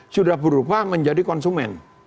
sudah berubah menjadi konsumen